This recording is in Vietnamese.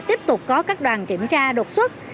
tiếp tục có các đoàn kiểm tra đột xuất